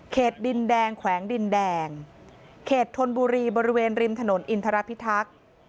ดินแดงแขวงดินแดงเขตธนบุรีบริเวณริมถนนอินทรพิทักษ์